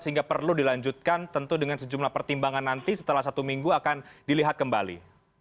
sehingga perlu dilanjutkan tentu dengan sejumlah pertimbangan nanti setelah satu minggu akan dilihat kembali